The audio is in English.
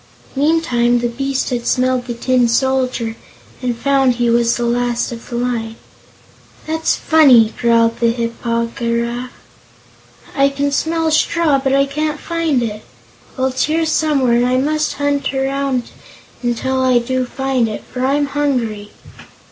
Meantime, the beast had smelled the Tin Soldier and found he was the last of the line. "That's funny!" growled the Hip po gy raf; "I can smell straw, but I can't find it. Well, it's here, somewhere, and I must hunt around until I do find it, for I'm hungry."